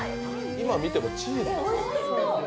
今見てもチーズや。